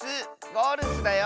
ゴルスだよ！